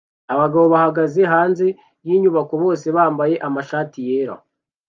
Abagabo bahagaze hanze yinyubako bose bambaye amashati yera